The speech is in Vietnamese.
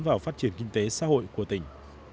vào phát triển kinh tế xã hội của tỉnh